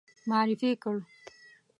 معرفي کړ.